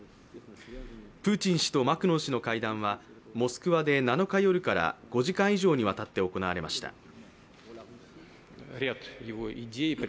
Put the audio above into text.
プーチン氏とマクロン氏の会談はモスクワで７日夜から５時間以上にわたって行われました。